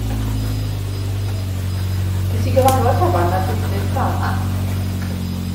Ges i gyfarfod hefo'n narlithydd p'nawn 'ma.